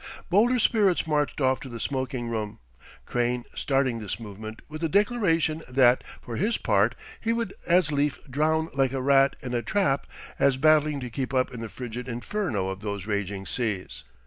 Bolder spirits marched off to the smoking room Crane starting this movement with the declaration that, for his part, he would as lief drown like a rat in a trap as battling to keep up in the frigid inferno of those raging seas.